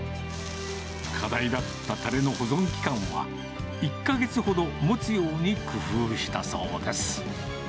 課題だったたれの保存期間は、１か月ほどもつように工夫したそうです。